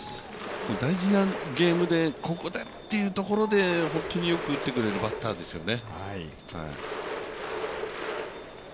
大事なゲームで、ここだというところで本当によく打ってくれるバッターですよね。